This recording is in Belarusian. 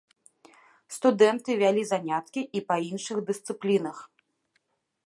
Студэнты вялі заняткі і па іншых дысцыплінах.